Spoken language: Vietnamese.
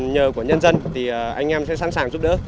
nhờ của nhân dân thì anh em sẽ sẵn sàng giúp đỡ